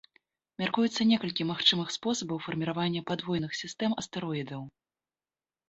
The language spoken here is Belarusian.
Мяркуецца некалькі магчымых спосабаў фарміравання падвойных сістэм астэроідаў.